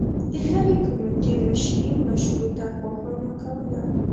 د هرې کومیټي مشري مشروطه خواهانو کوله.